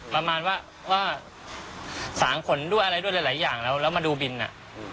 ประมาณว่าว่าสางขนด้วยอะไรด้วยหลายอย่างแล้วแล้วมาดูบินอ่ะ